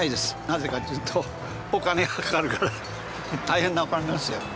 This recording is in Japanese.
なぜかっていうとお金がかかるから大変なお金なんですよ。